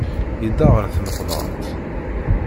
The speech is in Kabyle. Yedda ɣer tmeqbert.